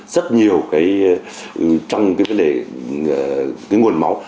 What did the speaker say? rất nhiều trong cái vấn đề nguồn máu